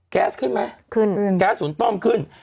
แก๊สขึ้นมั้ยแก๊สศูนย์ต้อมขึ้น